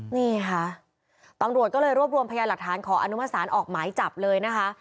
นี่ค่ะตำรวจก็เลยรวบรวมพยานหลักฐานขออนุมสารออกหมายจับเลยนะคะ